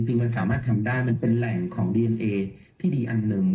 จริงมันสามารถทำได้มันเป็นแหล่งของดีเอ็นเอที่ดีอันหนึ่ง